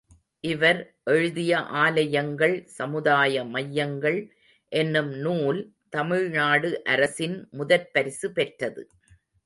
● இவர் எழுதிய ஆலயங்கள் சமுதாய மையங்கள் என்னும் நூல் தமிழ்நாடு அரசின் முதற்பரிசு பெற்றது.